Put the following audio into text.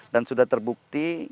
dan sudah terbukti